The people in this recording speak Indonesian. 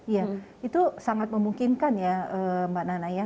iya itu sangat memungkinkan ya mbak nana ya